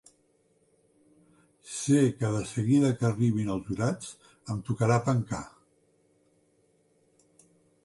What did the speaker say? Sé que de seguida que arribin els jurats em tocarà pencar.